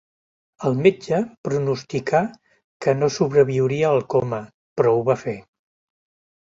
El metge pronosticà que no sobreviuria al coma, però ho va fer.